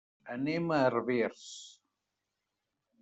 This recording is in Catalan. Anem a Herbers.